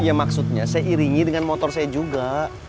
ya maksudnya saya iringi dengan motor saya juga